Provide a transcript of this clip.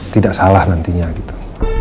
tidak salah nantinya gitu